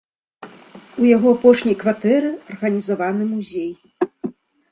У яго апошняй кватэры арганізаваны музей.